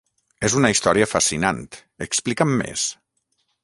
És una història fascinant, explica'm més!